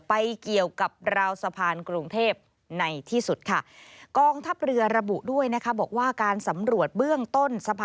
ไปเกี่ยวกับราวสะพานกรุงเทพ